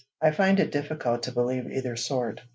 I find it difficult to believe either sort.